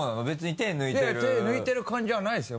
手抜いてる感じはないですよ